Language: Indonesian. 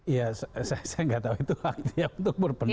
iya saya nggak tahu itu hak dia untuk berpendapat